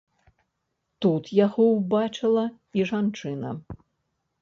Тут яго ўбачыла і жанчына.